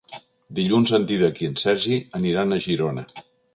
Dilluns en Dídac i en Sergi aniran a Girona.